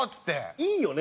いいよね